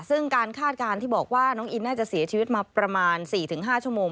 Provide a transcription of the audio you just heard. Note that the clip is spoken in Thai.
ซึ่งการคาดการณ์ที่บอกว่าน้องอินน่าจะเสียชีวิตมาประมาณ๔๕ชั่วโมง